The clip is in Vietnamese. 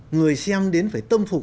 người xem đến phải tâm phục